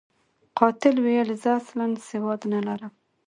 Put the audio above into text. قاتل ویل، زه اصلاً سواد نلرم.